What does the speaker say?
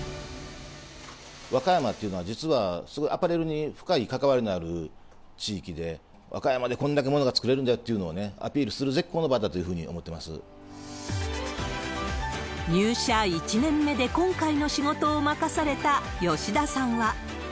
和歌山っていうのは、実はすごいアパレルに深い関わりのある地域で、和歌山でこんだけの物が作れるんだよというのをアピールする絶好入社１年目で今回の仕事を任された吉田さんは。